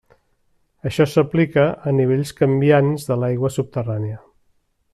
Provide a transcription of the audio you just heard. Això s’aplica a nivells canviants de l’aigua subterrània.